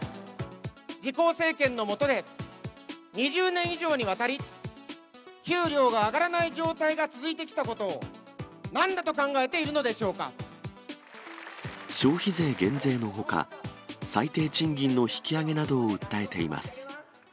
自公政権の下で２０年以上にわたり、給料が上がらない状態が続いてきたことを、なんだと考えているの消費税減税のほか、最低賃金の引き上げなどを訴えています。